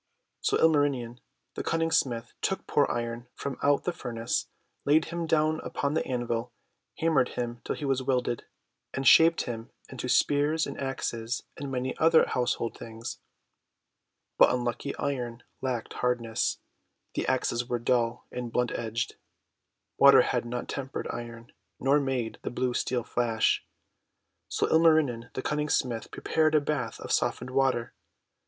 So Ilmarinen the Cunning Smith took poor Iron from out the furnace, laid him down upon the anvil, hammered him till he was welded, and shaped him into spears and axes and many other household things. But unlucky Iron lacked hardness; the axes all were dull and blunt edged. Water had not tempered Iron, nor made the blue Steel flash. So Ilmarinen the Cunning Smith prepared a bath of softened water.